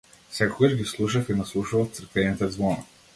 Секогаш ги слушав и наслушував црквените ѕвона.